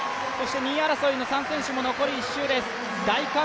２位争いの３選手も残り１周です。